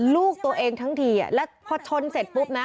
ลูกตัวเองทั้งทีแล้วพอชนเสร็จปุ๊บนะ